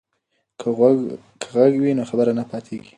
که غږ وي نو خبر نه پاتیږي.